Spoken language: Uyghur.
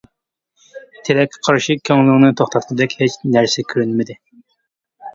تىلەككە قارشى، كۆڭلىنى توختاتقۇدەك ھېچ نەرسە كۆرۈنمىدى.